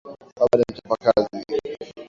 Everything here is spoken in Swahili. Baba ni mchapa kazi